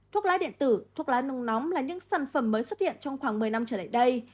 thuốc lá điện tử thuốc lá nung nóng là những sản phẩm mới xuất hiện trong khoảng một mươi năm trở lại đây